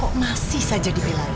orang salah kok masih saja di pilar itu